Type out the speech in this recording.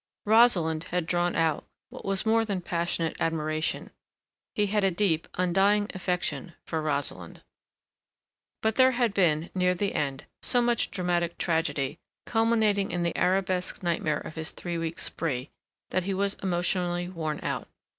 Rosalind had drawn out what was more than passionate admiration; he had a deep, undying affection for Rosalind. But there had been, near the end, so much dramatic tragedy, culminating in the arabesque nightmare of his three weeks' spree, that he was emotionally worn out.